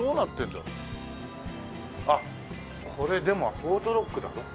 あっこれでもオートロックだ。